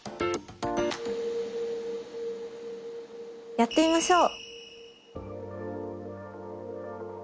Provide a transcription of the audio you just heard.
やってみましょう。